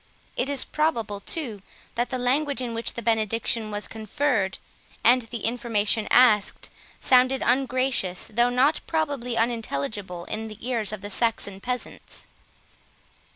It is probable, too, that the language in which the benediction was conferred, and the information asked, sounded ungracious, though not probably unintelligible, in the ears of the Saxon peasants.